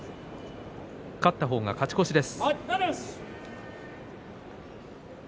勝った方が勝ち越しです。